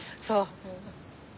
そう。